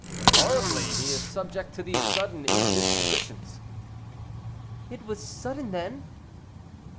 "Horribly, he is subject to these sudden indispositions." "It was sudden, then?"